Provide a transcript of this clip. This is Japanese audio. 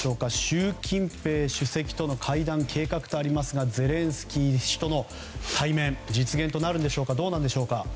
習近平主席との会談計画とありますがゼレンスキー氏との対面実現となるのでしょうかどうなんでしょうか。